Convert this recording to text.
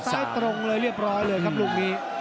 ตรงเลยเรียบร้อยเลยครับลูกนี้